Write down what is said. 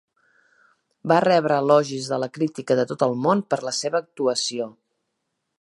Va rebre elogis de la crítica de tot el món per la seva actuació.